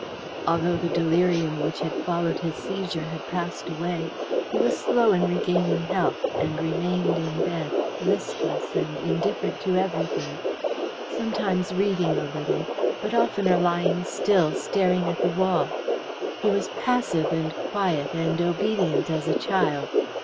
Although the delirium which had followed his seizure had passed away, he was slow in regaining health, and remained in bed, listless and indifferent to everything, sometimes reading a little, but oftener lying still, staring at the wall. He was passive and quiet, and obedient as a child.